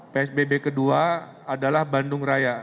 psbb kedua adalah bandung raya